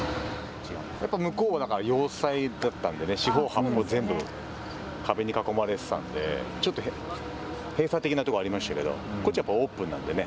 やっぱり向こうは要塞だったんでね、四方八方全部壁に囲まれてたんでちょっと閉鎖的なところがありましたけど、こっちはオープンなんでね。